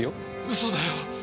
嘘だよ。